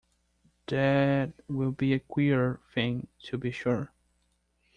That will be a queer thing, to be sure!